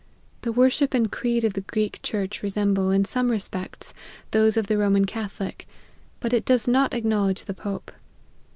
The worship and creed of the Greek church resemble, in some respects, those of the Roman Catholic, but it does not acknow ledge the Pope.